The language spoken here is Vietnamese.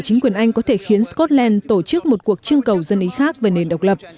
chính quyền anh có thể khiến scotland tổ chức một cuộc trương cầu dân ý khác về nền độc lập